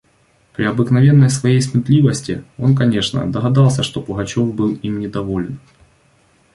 При обыкновенной своей сметливости он, конечно, догадался, что Пугачев был им недоволен.